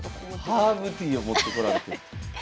ハーブティーを持ってこられてると。